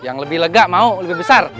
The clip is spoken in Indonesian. yang lebih lega mau lebih besar